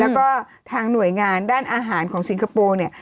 แล้วก็ทางหน่วยงานด้านอาหารของสิงคโปร์เนี่ย